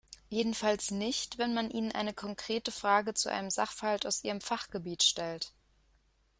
Jedenfalls nicht, wenn man ihnen eine konkrete Frage zu einem Sachverhalt aus ihrem Fachgebiet stellt.